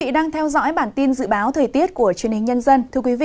thưa quý vị đang theo dõi bản tin dự báo thời tiết của chuyên hình nhân dân